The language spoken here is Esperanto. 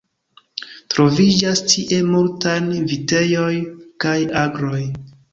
Troviĝas tie multajn vitejoj kaj agroj.